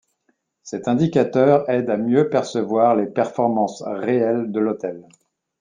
Cet indicateur aide à mieux percevoir les performances réelles de l'hôtel.